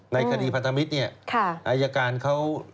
ในคดีพันธมิตรเนี่ยอายการเขา